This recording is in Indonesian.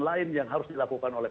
lain yang harus dilakukan oleh